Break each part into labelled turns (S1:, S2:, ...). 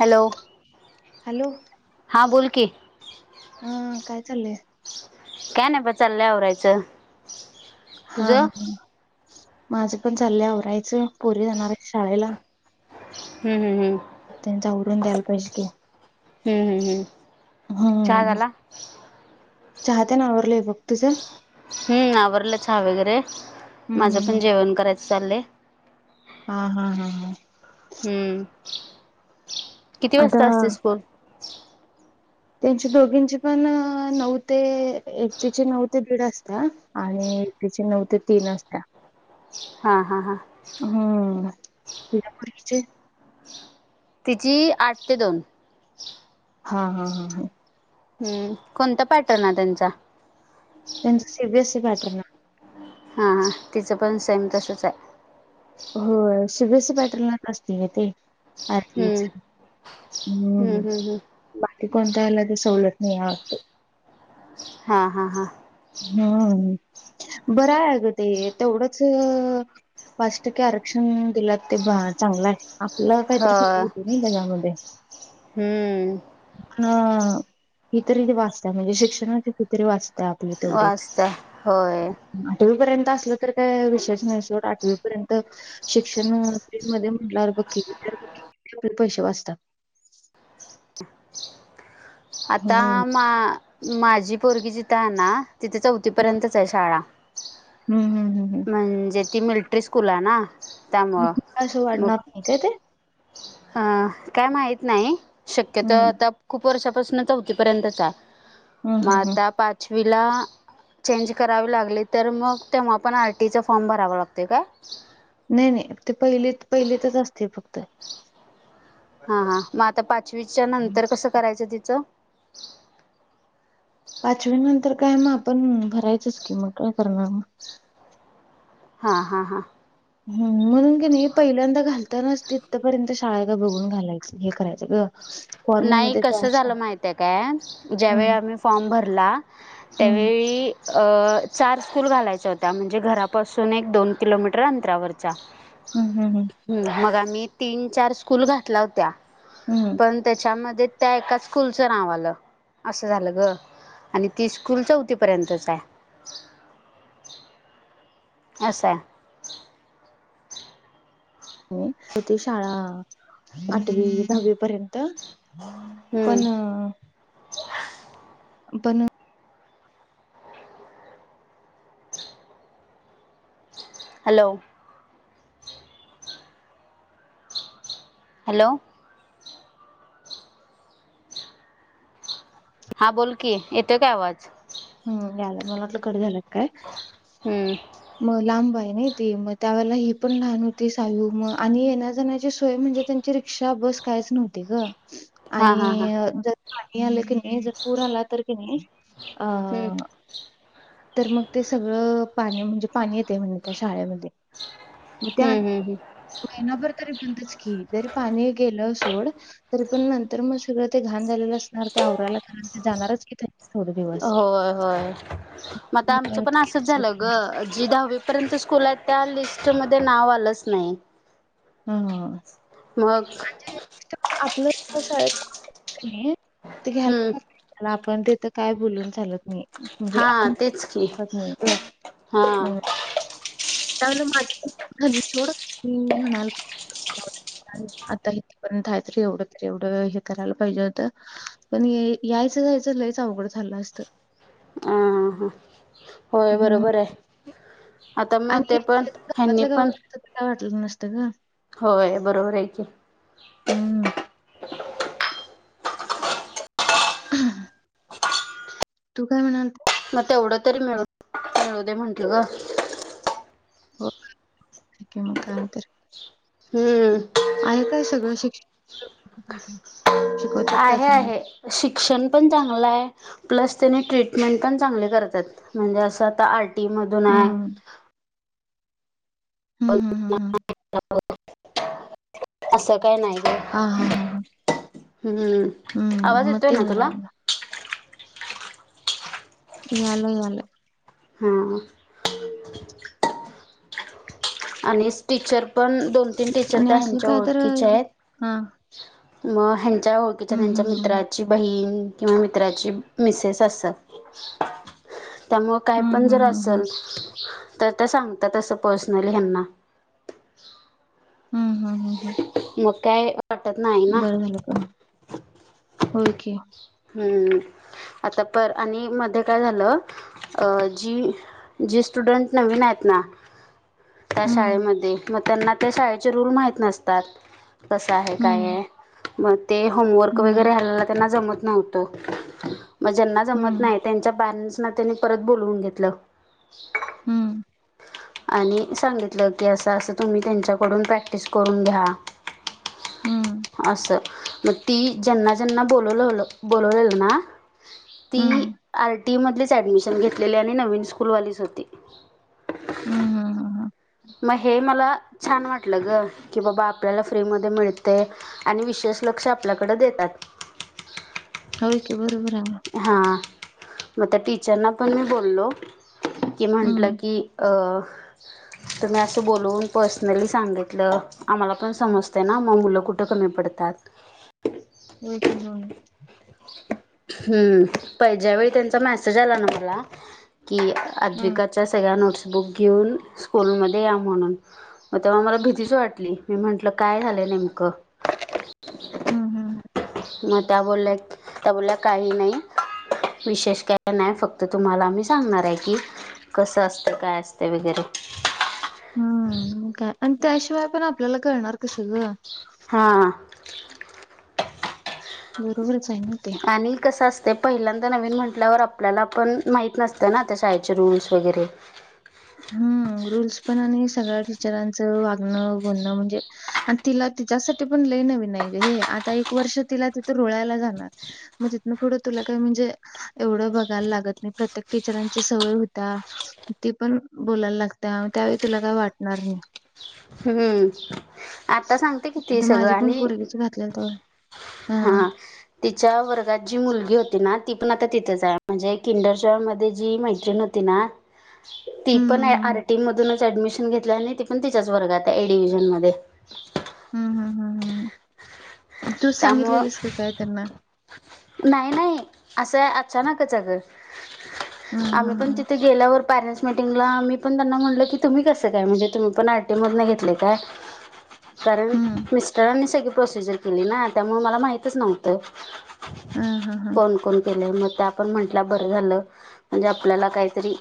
S1: Hello
S2: hello
S1: हा बोल की
S2: काय चाललंय
S1: काय नाही बघ, चाललंय आवरायचं.
S2: हां
S1: तुझं
S2: हं. माझे पण चाललंय आवरायचं, पोरी जाणार आहेत शाळेला.
S1: हम् हम् हम्
S2: त्यांच आवरून द्यायला पाहिजे की.
S1: हम्म हम्म हम्म
S2: [inaudible]
S1: चहा
S2: हं
S1: झाला
S2: चहा तेन आवरलंय बघ तुझं?
S1: हम्म आवरलं चहा वगैरे.
S2: हम्म
S1: माझं
S2: हम्म
S1: पण जेवण करायचं चाललंय.
S2: हां हां हां हां.
S1: हम्म. [inaudible] किती
S2: आता
S1: वाजता असते स्कूल?
S2: त्यांची दोघींची पण नऊ ते एक. तीचे नऊ ते दीड असता. आणि एकीची नऊ ते तीन असता.
S1: हां हां हा.
S2: हम्. तुझ्या पोरगीची?
S1: तिची आठ ते दोन.
S2: हां हां हां हं.
S1: हम्म. कोणता पॅटर्न आहे त्यांचा?
S2: त्यांचा C B S E pattern आहे.
S1: हां हां. तिचं पण सेम तसंच हाय.
S2: हो. C B S E pattern असतंय गं ते. आठवीच.
S1: हम्म
S2: [inaudible] हम्म बाकी. कोणत्या याला तर सवलत नाही राहते.
S1: हा हा हा.
S2: हम्म. बरं आहे गं ते तेवढंच पाच टक्के आरक्षण दिलात ते भा चांगलाय आपलं काहीतरी
S1: हो
S2: खेळी होेती ना जगामध्ये?
S1: हम्म
S2: अं [inaudible] म्हणजे शिक्षणावर किती तरी वाचता. तेवढेच
S1: वाजता होय
S2: [inaudible] आठवीपर्यंत असलं, तर काय विषयच नाही. सोड आठवीपर्यंत शिक्षण मध्ये म्हटल्यावर, [unintelligible] पैसे वाचतात.
S1: आता
S2: हम्म
S1: मा माझी पोरगी जिथं आहे ना, तिथे चौथ तीपर्यंतच आहे शाळा.
S2: हम्म हम्म हम्म
S1: म्हणजे ती मिल्टरी स्कूल आहे ना त्यामुळं
S2: [unintelligible] असं
S1: मग
S2: वाढणार नाही काय ते?
S1: अ काय माहित नाही. शक्यतो
S2: हम्म
S1: आता खूप वर्षापासूनच चौ थीपर्यंतच आहे.
S2: हम्म
S1: मग
S2: हम्म हम्म
S1: आता पाचवीला चेंज करावी लागली, तर मग तेव्हा पण आर टी ई चा फॉर्म भरावा लागतोय काय?
S2: नाही नाही, ते पहिलीत, पहिलीतच असतंय फक्त.
S1: हा हा. मग आता पाचवीच्या नंतर कसं करायचं तिचं?
S2: पाचवी नंतर काय, मग आपण भरायचंच कि, मग काय करणार मग?
S1: हा हा हा.
S2: हम्म. म्हणून की नाही पहिल्यांदा घालतानाच, तीथपर्यंत शाळा हाय का? बघून घालायचं हे करायचं ग. [inaudible]
S1: नाही
S2: मध्ये त्या
S1: कस
S2: अशा
S1: झालं माहित आहे काय? ज्यावेळी
S2: हम्म
S1: आम्ही फॉर्म भरला
S2: हम्म
S1: त्यावेळी अं चार स्कूल घालायच्या होत्या. म्हणजे घरापासून एक दोन किलोमीटर अंतरावरच्या. [inaudible]
S2: हम् हम् हम.
S1: मग आम्ही तीन चार स्कूल घातल्या होत्या.
S2: हम्म
S1: पण त्याच्यामध्ये त्या एका स्कूलच नाव आल. अस झाल ग. आणि ती स्कूल चौथीपर्यंतच आहे. असाय
S2: हो ती शाळा आठवी दहावी पर्यंत
S1: हम्म
S2: पण पण
S1: हॅलो हॅलो हा बोल की, येतोय काय आवाज.
S2: हम्म याला. मला वाटल की कट झाल की काय.
S1: हम्म
S2: मग लांब आहे नाही ते. मग त्या वेळेला ही पण लहान होती सायू. मग आणि येणाजण्याची सोय म्हणजे त्यांची रिक्षा बस कायच नव्हती ग.
S1: हां हां हां
S2: आणि जर पाणी आल की नाही, जर पूर आला तर की नाही अ
S1: हम्म
S2: तर मग ते सगळ पाणी म्हणजे, पाणी येतय म्हण त्या शाळेमध्ये. मग ते आणि
S1: हम्म हम्म
S2: महिनाभर तरी बंदच की. जरी पाणी गेल सोड तरी पण नंतर मग सगळ ते घाण झालेल असणार ते आवरायाला कारण ते जाणारच कि त्यांचे थोड
S1: हम्म
S2: दिवस.
S1: होय होय मग आ आमच पण
S2: ते
S1: असच
S2: कॅन्सल
S1: झाल
S2: केला
S1: ग. जी दहावी परंतु स्कुल आहेत. त्या लिस्टमध्ये नाव आलच नाही.
S2: हम्म
S1: मग
S2: आपल शाळेत ते
S1: हम्म
S2: घ्यायला ला आपण तिथ काय बोलून चालत नाही. म्हणजे
S1: हा
S2: आपण
S1: तेच की
S2: कत नाही ग.
S1: हा
S2: त्यावेळेला माझ पण घली छोड म्हणाल जाऊ द्या आता इथेपर्यंत आहे तरी, एवढ तर एवढ हे करायला पाहिजे होत. पण यायच जायच लईच अवघड झाल असत.
S1: ह हा हा, होय
S2: हं.
S1: बरोबर आहे. आता मग
S2: आणि
S1: ते पण
S2: इथल्या इथं
S1: ह्यांनी
S2: गावातल्या
S1: पण,
S2: गावात असतं तर काय वाटलं नसतं गं.
S1: होय बरोबर आहे की.
S2: हम्म तू काय म्हणालत.
S1: मग तेवढ तरी मिळु, मिळू दे म्हटल ग.
S2: हो ठीक आहे मग, काय आहे तर.
S1: हम्म
S2: आहे काय सगळ शिक्षण शिकवतात काय
S1: आहे
S2: चांगलं?
S1: आहे, शिक्षण पण चांगल आहे. प्लस त्याने ट्रीटमेंट पण चांगले करतात. म्हणजे अस आता आर टी मधून आहे.
S2: हं. हं, हं, हं, हं.
S1: अस काय नाही. ग
S2: हा हा हा हा
S1: हम्म, आवाज
S2: मग
S1: येतोय
S2: ते
S1: ना
S2: बरं
S1: तुला.
S2: आहे मग. इयाल इयाला
S1: हा आणि टीचर पण, दोन तीन टीचर
S2: आणि
S1: त्या
S2: असलं
S1: ह्याच्या
S2: काय तर
S1: ओळखीच्या आहेत.
S2: हां.
S1: मग, ह्यांच्या ओळखीच्या
S2: हं,
S1: त्यांच्या
S2: हं, हं.
S1: मित्राची बहीण किंवा मित्राची मिसेस असतात. त्यामुळ काय
S2: हं,
S1: पण
S2: हं,
S1: जर
S2: हं, हं.
S1: असेल तर त्या सांगतात तसं पर्सनली ह्यांना.
S2: हम्म हम्म हम हम
S1: म काय वाटत नाय.
S2: बरं झालं का नाय होयकी.
S1: हम्म आता पर आणि मध्ये काय झालं अ जी जी स्टुडन्ट नवीन आहेत ना त्या
S2: हम्म
S1: शाळेमध्ये मग त्यांना त्या शाळेचे रूल माहित नसतात. कसं आहे काय
S2: हम्म
S1: ये मग ते होमवर्क वगैरे
S2: हम्म
S1: ह्याला त्यांना जमत नव्हतं मग ज्यांना जमत
S2: हम्म
S1: नाय, त्यांच्या परेंसना त्यांनी परत बोलवून घेतलं.
S2: हम्म
S1: आणि सांगितलं की असं असं तुम्ही त्यांच्याकडून प्रॅक्टिस करून घ्या.
S2: हम्म
S1: असं मग ती ज्यांना ज्यांना बोलवलंल बोलवलेलं ना ती
S2: हम्म
S1: आर टी मधलीच ऍडमिशन घेतलेली आणि नवीन स्कूलवालीच होती.
S2: हम्म हम्म
S1: मग हे मला छान वाटलं ग की बाबा आपल्याला फ्रीमध्ये मिळतय. आणि विशेष लक्ष आपल्याकडे देतात
S2: होय की बरोबर आहे म.
S1: हा मग त्या टीचरना पण मी बोललो की म्हटलं
S2: हम्म
S1: की अ तुम्ही असं बोलवून पर्सनली सांगितल. आम्हाला पण समजते ना, मग मुलं कुठं कमी पडतात.
S2: होय की [unintelligible]
S1: हम्म पण ज्यावेळी त्यांचा मेसेज आला ना मला, की
S2: हम्म
S1: अद्विका. तुमच्या सगळ्या नोट्सबुक घेऊन. स्कूलमध्ये या म्हणून. म तेव्हा मला भीतीच वाटली, मी म्हंटल काय झालं नेमकं?
S2: हम्म हम्म
S1: मग त्या बोलल्या त्या बोलल्या काही नाही. विशेष काय नाही फक्त तुम्हाला आम्ही सांगणार आहे की कसं असतं काय असतं वगैरे.
S2: हा काय आण त्याशिवाय पण आपल्याला कळणार कसं ग.
S1: हा
S2: बरोबरच आहे ना ते
S1: आणि कसं असतंय ते पहिल्यांदा नवीन म्हटल्यावर आपल्याला पण माहीत नसतं ना ते शाळेचे रूल्स वगैरे.
S2: हम्म रुल्स पण आणि सगळ्या टीचरांचं वागणं बोलणं म्हणजे आणि तिला तिच्यासाठी पण लई नवीन आहे ग हे आता एक वर्ष तिला तिथं रुळायला जाणार. मग तिथनं पुढं तुला काय म्हणजे एवढं बघायला लागत नाही. प्रत्येक टीचरांची सवय होता. ती पण बोलायला लागत्या त्यावेळी तुला काही वाटणार नाही.
S1: हम्म आता सांगते कि ती
S2: आता
S1: सगळं
S2: माझ्या पण
S1: आणि
S2: पोरगीचं घातलेलं तेव्हा हां.
S1: हा तिच्या वर्गात जी मुलगी होती ना ती पण आता तिथेच आहे म्हणजे किंडर जॉय मध्ये जी मैत्रीण होती ना ती
S2: हं,
S1: पण
S2: हं, हं.
S1: आर्टिं मधूनच ऍडमिशन घेतले आणि ती पण तिच्या च वर्गातआहे ए डिव्हिजन मध्ये.
S2: हम्म हम्म हम्म हम्म तूच
S1: त्यामुळं
S2: सांगितलेलंस काय त्यांना?
S1: नाही नाही असं अचानकच अग.
S2: हां,
S1: आम्ही
S2: हां,
S1: पण
S2: हां.
S1: तिथे गेल्यावर पॅरेंट्स मिटिंगला मी पण त्यांना म्हटलं की तुम्ही कस काय म्हणजे तुम्ही आर टी मधून घेतले काय.
S2: [inaudible]
S1: कारण
S2: हं.
S1: मिस्टरांनी सगळी प्रोसिजर केली ना त्यामुळे मला माहितच नव्हतं.
S2: हां, हां, हां.
S1: कोण कोण. केलंय मधुदा त्या आपण म्हटला बरं झालं म्हणजे आपल्याला काहीतरी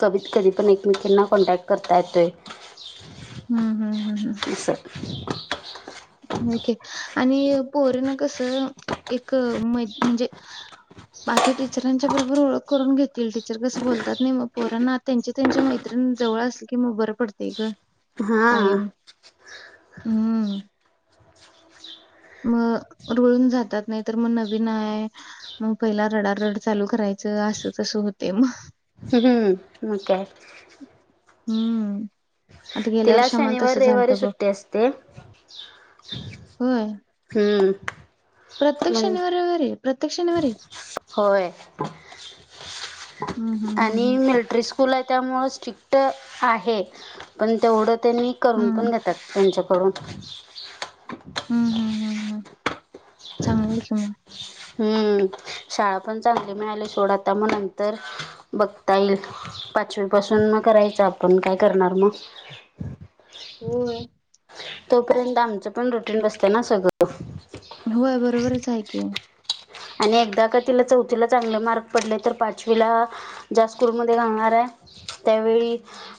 S1: कधीत कधी पण एकमेकांना कॉन्टॅक्ट करता येतोय.
S2: हं, हं, हं, हं.
S1: तस.
S2: ओके आणि पोर ना कसं एक म्हणजे बाकी टीचरांच्या बरोबर ओळख करून घेतील टीचर कस बोलतात की नाही पोरांना त्यांच्या त्यांच्या मैत्रिणी जवळ असल की मग बरं पडते गं
S1: हा
S2: कायम. हम्. मग रुळून जातात नाही तर मग नवीन आहे. मग पहिला रडारड चालू करायचं असं तसं होते मग.
S1: हम्म म ग का?
S2: हम्म. आता गेल्या
S1: तिला
S2: वर्षी आम्हाला
S1: शनिवार
S2: तसं
S1: रविवारी
S2: झालतं बघ
S1: सुट्टी असते.
S2: होय
S1: हम्म.
S2: प्रत्येक
S1: म्हण
S2: शनिवार रविवारी? प्रत्येक शनिवारी
S1: होय.
S2: हम्म हम्म
S1: आणि
S2: हम्म
S1: मिलिट्री स्कूल आहे त्यामुळं स्ट्रिक्ट आहे. पण तेवढं त्यांनी करून
S2: हम्म
S1: पण त्यात त्यांच्याकडून.
S2: हम्म हम्म हम्म चांगली आहे शाळा.
S1: हम्म. शाळा पण चांगली मिळाली सोड आत्ता मग नंतर बघता येईल. पाचवी पासून मग करायचं आपण काय करणार मग.
S2: होय.
S1: तोपर्यंत आमचं पण रुटीन बसतंय ना सगळं. [inaudible]
S2: होय. बरोबरच आहे की.
S1: आणि एकदा का तिला चौथीला चांगले मार्क पडले तर पाचवीला ज्या स्कूलमध्ये घालणार आहे त्यावेळी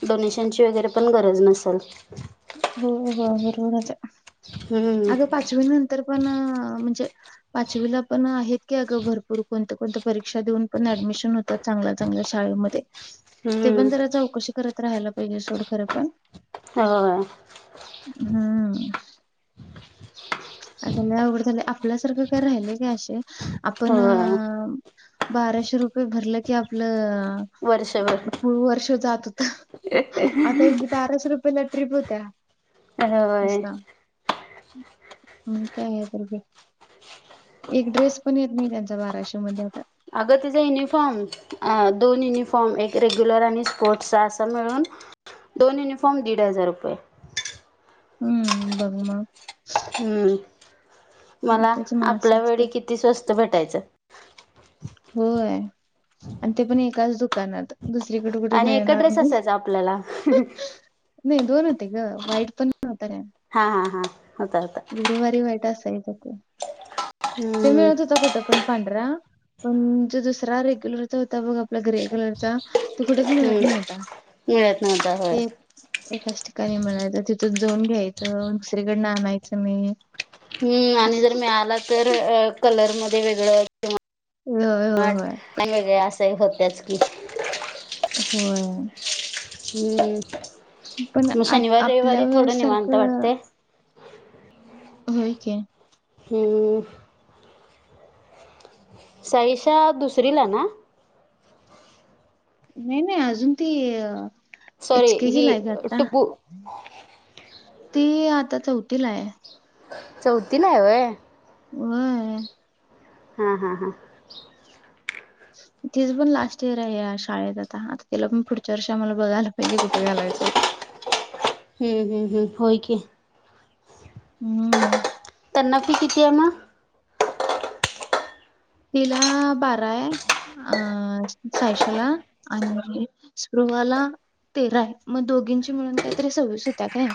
S1: डोनेशनची वगैरे पण गरज नसेल.
S2: हो हो बरोबरच.
S1: हम्म
S2: अगं पाचवी नंतर पण म्हणजे पाचवीला पण आहेत की अगं भरपूर कोणत्या कोणत परीक्षा देऊन पण ऍडमिशन होतात. चांगल्या चांगल्या शाळेमध्ये. ते
S1: हम्म
S2: पण जरा चौकशी करत राहायला पाहिजे सोड खरं पण.
S1: हो.
S2: हम्म. आता ल‌ई आवघड झालंय. आपल्यासारखं काय राहिले काय अशी? आपण
S1: होय
S2: बाराशे रुपये भरलं की आपलं
S1: वर्षभर
S2: पू वर्ष जात होत. आता बाराच रुपे हीला ट्रीप होत्या
S1: होय
S2: तशा. हम् काय आहे तर. एक ड्रेस पण येत मी त्यां बाराशे मध्ये होता.
S1: अग तेच युनिफॉर्म. दोन युनिफॉर्म एक रेग्युलर आणि स्पोर्ट्सचा असं मिळून दोन युनिफॉर्म दीड हजार रुपये.
S2: हम्म बघ मग
S1: हम्म मला
S2: त्याच माणसं
S1: आपल्या
S2: असते
S1: वेळी किती स्वस्त भेटायचं.
S2: होय आणि ते पण एकाच दुकानात. दुसरी कुडें कुठे
S1: आणि एक
S2: मिळणार
S1: ड्रेस
S2: नाही.
S1: असायचा आपल्याला
S2: नाही दोन होते ग वाईट पण नव्हता काय?
S1: हा हा हा होता होता.
S2: गुरुवारी वाईट असायच तो ते
S1: हम्म
S2: मिळत होता कुठं पण पांढरा पण जो दुसरा रेग्युलरचा होता बघ आपला ग्रे कलरचा तो कुठच मिळत
S1: हम्म
S2: नव्हता
S1: मिळत नव्हता होय
S2: ते एकाच ठिकाणी म्हणायचं तिथून जाऊन घ्यायचं दुसरीकडनं आणायचं नाही.
S1: हम्म आणि जर मिळाला तर कलरमध्ये वेगळं
S2: होय होय होय
S1: ट वेगळे असही होत्याच की
S2: होय.
S1: हम्म
S2: पण
S1: मग
S2: आ
S1: शनिवार
S2: आपल्या
S1: रविवारी थोड निवांत
S2: वेळेसारखं
S1: वाटतंय.
S2: होय कि.
S1: हम्म साईशा दुसरीला ना?
S2: नाही नाही अजून ती एच
S1: सॉरी
S2: केजी ला
S1: ही
S2: आहे ग आता.
S1: टुबू
S2: ती आता चौथीला आहे.
S1: चौथीला आहे होय
S2: होय.
S1: हा हा हा
S2: तिच पण लास्ट इयर आहे या शाळेत आता आता तिला पण पुढच्या वर्ष आम्हाला बघायला पाहिजे कुठे घालायचंय.
S1: हम्म हम्म हम्म होय कि
S2: हम्म
S1: त्यांनाफी किती आहे मग?
S2: तिला बारा आहे. अ सायशला आणि ध्रुववाला तेरा आहे मग दोघींची मिळून काहीतरी सव्वीस होत्या काय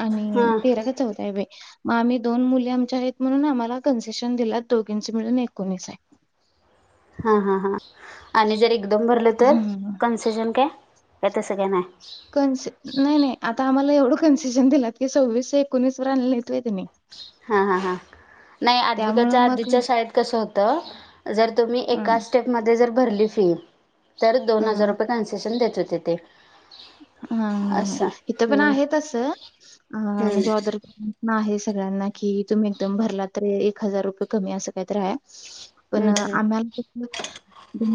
S2: आणि
S1: हां
S2: तेरा का चौदा आहे बाई मग आम्ही दोन मुली आमच्या आहेत म्हणून आम्हाला कन्सेशन दिलेत दोघींचे मिळून एकोणीस आहे.
S1: हा हां हां आणि जर एकदम भरलं तर
S2: हम्म.
S1: कन्सेशन काय का तसं काय नाही?
S2: कन्सेशन नाही नाही आता आम्हाला एवढं कन्सेशन दिलात की सव्वीस एकोणीस वर आणल्यात ना त्यांनी
S1: हा हा हा नाही
S2: त्यामुळं
S1: आधविकाच्या
S2: मग
S1: आधीच्या शाळेत कसं होत. जर तुम्ही
S2: अ
S1: एका स्टेपमध्ये जर भरली फी तर दोन
S2: हा
S1: हजार रुपये कन्सेशन देत होते ते
S2: हा हा हा
S1: असं
S2: इथं पण
S1: हम्म
S2: आहेतच अ
S1: हम्म
S2: म्हणजे ऑदर नाही सगळ्यांना कि तुम्ही एकदम भरला तर एक हजार रुपये कमी असं कायतरी आहे. पण
S1: हम्म हम्म
S2: आम्हाला